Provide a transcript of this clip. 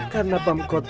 karena pemkot probolinggo